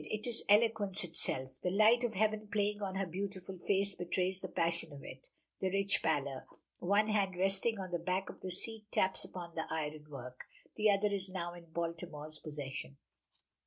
It is eloquence itself! The light of heaven playing on her beautiful face betrays the passion of it the rich pallor! One hand resting on the back of the seat taps upon the iron work, the other is now in Baltimore's possession.